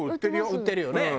売ってるよね。